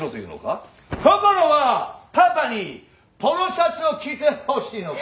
こころはパパにポロシャツを着てほしいのか！？